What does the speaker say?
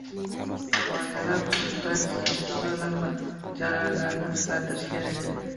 Qoidalar, protseduralar va jarayonlarni o'zgartirish kerak